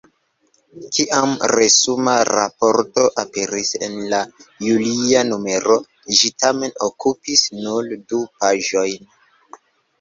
Kiam resuma raporto aperis en la julia numero, ĝi tamen okupis nur du paĝojn.